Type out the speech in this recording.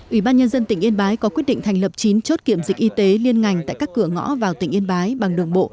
ủy ban nhân dân tỉnh yên bái có quyết định thành lập chín chốt kiểm dịch y tế liên ngành tại các cửa ngõ vào tỉnh yên bái bằng đường bộ